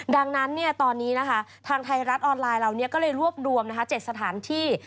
ดังนั้นตอนนี้นะคะทางไทยรัฐออนไลน์เราก็เลยรวบรวม๗สถานที่